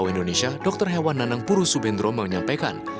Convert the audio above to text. indonesia dr hewan nanang puru subendro menyampaikan